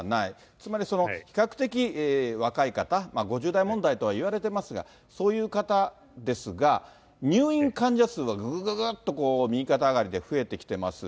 つまり比較的若い方、５０代問題とはいわれていますが、そういう方ですが、入院患者数はぐぐぐぐっと右肩上がりで増えてきています。